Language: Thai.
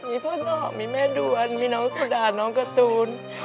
มีพ่อนอกมีแม่ดวนมีน้องสุดาน้องการ์ตูน